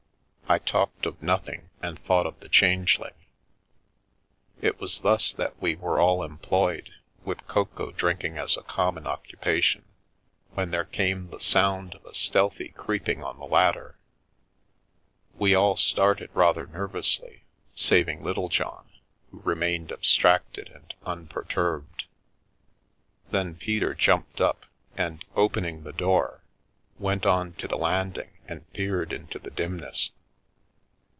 I talked of nothing and thought of the Changeling. It was thus that we were all employed, with cocoa drinking as a common occupation, when there came the sound of a stealthy creeping on the ladder. We all started rather nervously, saving Littlejohn, who remained abstracted and unper turbed. Then Peter jumped up and, opening the door, went on to the landing and peered into the dimness.